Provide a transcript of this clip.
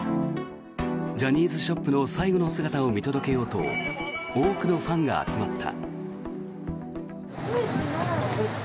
ジャニーズショップの最後の姿を見届けようと多くのファンが集まった。